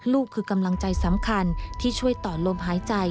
ลูกคือกำลังใจสำคัญที่ช่วยต่อลมหายใจ